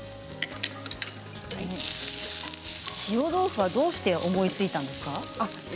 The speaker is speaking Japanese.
塩豆腐はどうして思いついたんですか？